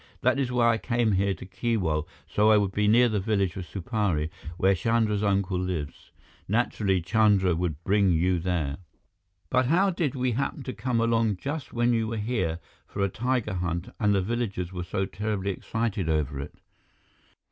That is why I came here to Keewal, so I would be near the village of Supari, where Chandra's uncle lives. Naturally, Chandra would bring you there." "But how did we happen to come along just when you were here for a tiger hunt and the villagers were so terribly excited over it?"